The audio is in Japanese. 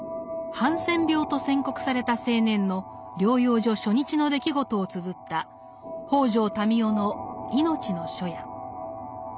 ハンセン病と宣告された青年の療養所初日の出来事をつづった北條民雄の「いのちの初夜」。